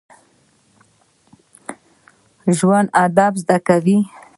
ژوندي ادب زده کوي